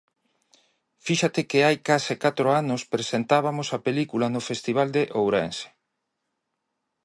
Fíxate que hai case catro anos presentabamos a película no Festival de Ourense.